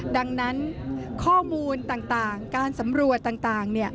ดังนั้นข้อมูลต่างการสำรวจต่าง